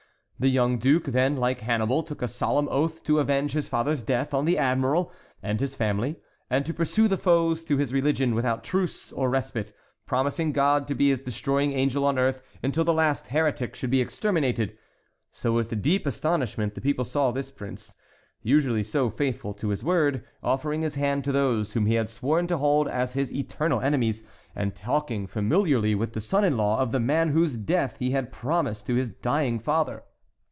The young duke then, like Hannibal, took a solemn oath to avenge his father's death on the admiral and his family, and to pursue the foes to his religion without truce or respite, promising God to be his destroying angel on earth until the last heretic should be exterminated. So with deep astonishment the people saw this prince, usually so faithful to his word, offering his hand to those whom he had sworn to hold as his eternal enemies, and talking familiarly with the son in law of the man whose death he had promised to his dying father.